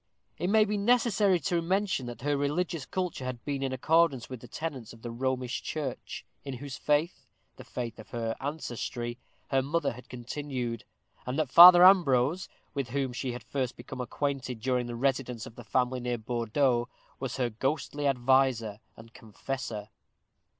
It may be necessary to mention that her religious culture had been in accordance with the tenets of the Romish Church, in whose faith the faith of her ancestry her mother had continued; and that Father Ambrose, with whom she had first become acquainted during the residence of the family near Bordeaux, was her ghostly adviser and confessor.